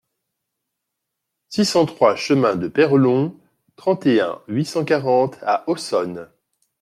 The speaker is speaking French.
six cent trois cHEMIN DE PEYRELONG, trente et un, huit cent quarante à Aussonne